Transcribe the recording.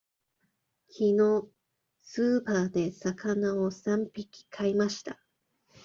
きのうスーパーで魚を三匹買いました。